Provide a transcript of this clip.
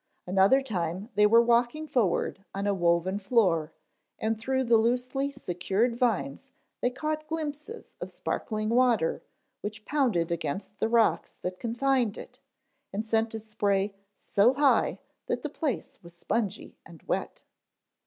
Another time they were walking forward on a woven floor and through the loosely secured vines they caught glimpses of sparkling water which pounded against the rocks that confined it and sent a spray so high that the place was spongy and wet.